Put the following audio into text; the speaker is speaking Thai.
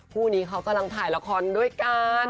คู่นี้เขากำลังถ่ายละครด้วยกัน